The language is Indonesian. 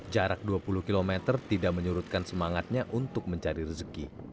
jarak dua puluh km tidak menyurutkan semangatnya untuk mencari rezeki